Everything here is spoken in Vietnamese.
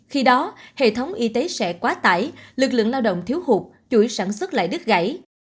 khi đó hệ thống y tế sẽ quá tải lực lượng lao động thiếu hụt chuỗi sản xuất lại đứt gãy